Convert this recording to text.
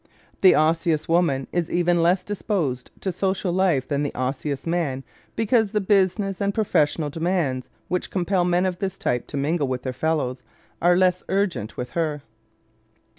The Osseous woman is even less disposed to social life than the Osseous man because the business and professional demands, which compel men of this type to mingle with their fellows, are less urgent with her.